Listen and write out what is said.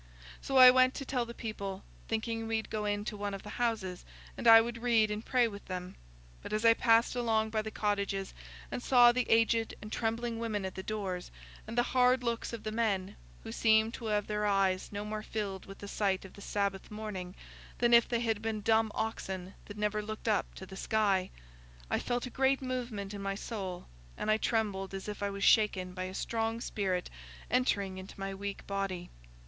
So I went to tell the people, thinking we'd go into one of the houses, and I would read and pray with them. But as I passed along by the cottages and saw the aged and trembling women at the doors, and the hard looks of the men, who seemed to have their eyes no more filled with the sight of the Sabbath morning than if they had been dumb oxen that never looked up to the sky, I felt a great movement in my soul, and I trembled as if I was shaken by a strong spirit entering into my weak body.